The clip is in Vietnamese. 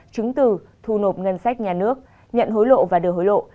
chứng từ thu nộp ngân sách nhà nước nhận hối lộ và đưa hối lộ